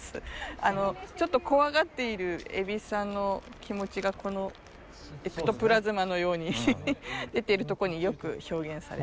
あのちょっと怖がっている蛭子さんの気持ちがこのエクトプラズマのように出てるとこによく表現されていて。